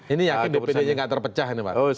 ini yakin dpd nya gak terpecah